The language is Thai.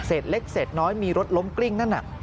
เล็กเศษน้อยมีรถล้มกลิ้งนั่นน่ะ